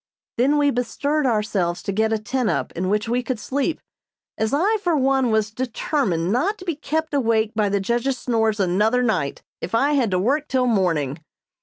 Then we bestirred ourselves to get a tent up in which we could sleep, as I, for one, was determined not to be kept awake by the judge's snores another night if I had to work till morning.